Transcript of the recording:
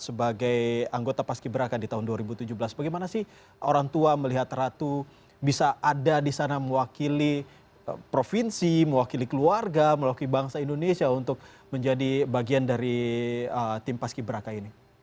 sebagai anggota paski beraka di tahun dua ribu tujuh belas bagaimana sih orang tua melihat ratu bisa ada di sana mewakili provinsi mewakili keluarga mewaki bangsa indonesia untuk menjadi bagian dari tim paski beraka ini